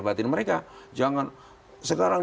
batin mereka jangan sekarang